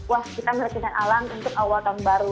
wah kita melihat keindahan alam untuk awal tahun baru